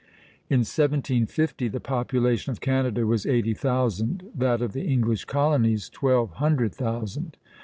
In 1750 the population of Canada was eighty thousand, that of the English colonies twelve hundred thousand.